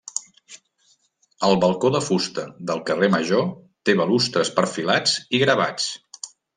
El balcó de fusta del carrer major té balustres perfilats i gravats.